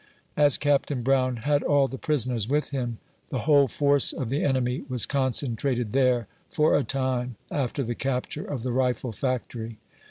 As Capt. Brown had all the prisoners with him, the whole force of the enemy was concentrated there, for a time, after the capture of the rifle factory.